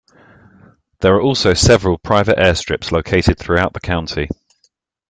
There are also several private airstrips located throughout the county.